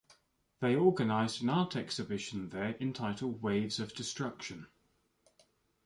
They organised an art exhibition there entitled Waves Of Destruction...